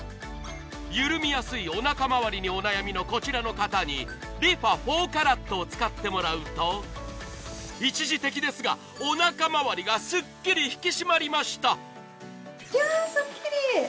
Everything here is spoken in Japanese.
ゆるみやすいおなかまわりにお悩みのこちらの方にＲｅＦａ４ＣＡＲＡＴを使ってもらうと一時的ですがおなかまわりがすっきり引き締まりました